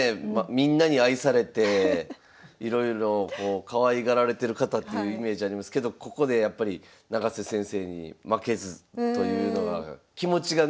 みんなに愛されていろいろかわいがられてる方っていうイメージありますけどここでやっぱり永瀬先生に負けずというのが気持ちがね